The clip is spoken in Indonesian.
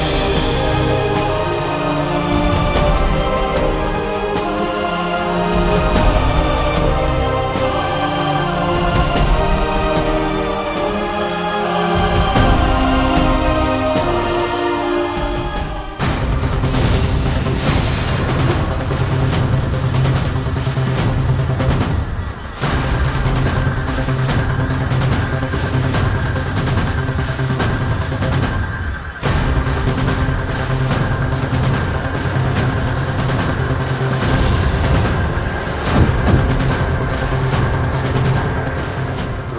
jika kita tidak menyerah